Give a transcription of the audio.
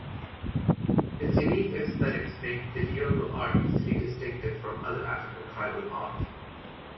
Its unique aesthetics make Bidyogo art easily distinctive from other African tribal art.